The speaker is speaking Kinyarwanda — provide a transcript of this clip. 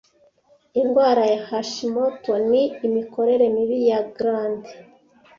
Indwara ya Hashimoto ni imikorere mibi ya glande